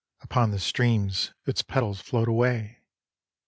Upon the streams its petals float away.